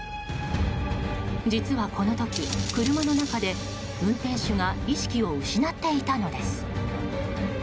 実はこの時、車の中で運転手が意識を失っていたのです。